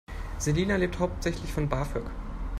Selina lebt hauptsächlich von BAföG.